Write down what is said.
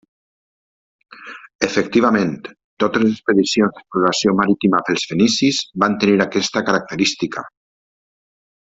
Efectivament, totes les expedicions d'exploració marítima pels fenicis van tenir aquesta característica.